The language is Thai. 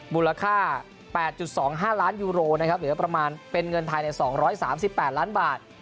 มูลค่าแปดจุดสองห้าล้านยูโรนะครับหรือว่าประมาณเป็นเงินไทยในสองร้อยสามสิบแปดล้านบาท